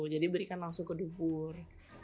jadi berikan langsung ke dubur